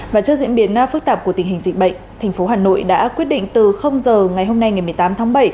và trước diễn biến phức tạp của tình hình dịch bệnh thành phố hà nội đã quyết định từ giờ ngày hôm nay ngày một mươi tám tháng bảy